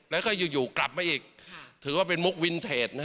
แล้วก็อยู่อยู่กลับไปอีกถือว่าเป็นมุกวินเทจ